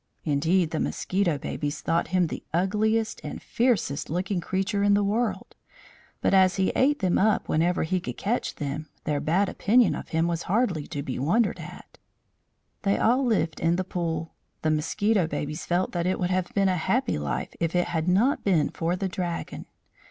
Indeed, the mosquito babies thought him the ugliest and fiercest looking creature in the world; but as he ate them up whenever he could catch them their bad opinion of him was hardly to be wondered at. They all lived in the pool. The mosquito babies felt that it would have been a happy life if it had not been for the Dragon.